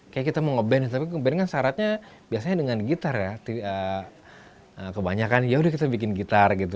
kayak kita mau nge ban tapi kemudian kan syaratnya biasanya dengan gitar ya kebanyakan yaudah kita bikin gitar gitu